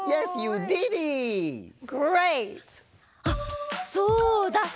あっそうだ！